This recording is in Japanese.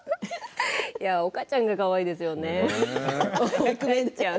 岡ちゃんがかわいいですよね。